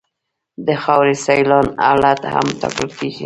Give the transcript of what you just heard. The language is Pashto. د خاورې سیلان حالت هم ټاکل کیږي